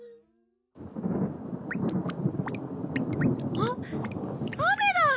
あっ雨だ！